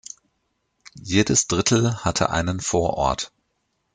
Jedes „Drittel“ hatte einen Vorort.